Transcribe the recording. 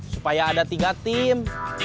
supaya ada tiga tim